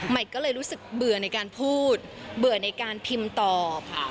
ก็เลยรู้สึกเบื่อในการพูดเบื่อในการพิมพ์ตอบค่ะ